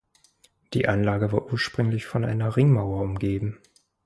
Die Anlage war ursprünglich von einer Ringmauer umgeben.